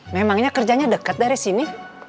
memangnya kerjanya dekat dari sini